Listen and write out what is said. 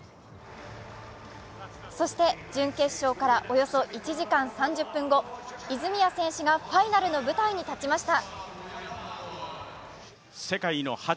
そして準決勝から、およそ１時間３０分後、泉谷選手がファイナルの舞台に立ちました。